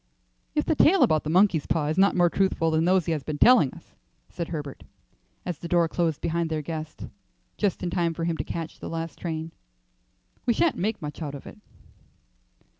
"If the tale about the monkey's paw is not more truthful than those he has been telling us," said Herbert, as the door closed behind their guest, just in time for him to catch the last train, "we sha'nt make much out of it."